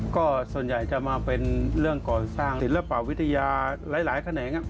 ก็ส่วนใหญ่จะมาเป็นเรื่องก่อสร้างศิลปวิทยาหลายแขนง